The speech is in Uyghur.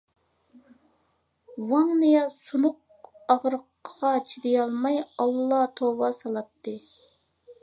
ۋاڭ نىياز سۇنۇق ئاغرىقىغا چىدىيالماي ئاللا-توۋا سالاتتى.